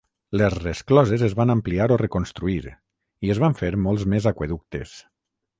Les rescloses es van ampliar o reconstruir i es van fer molts més aqüeductes.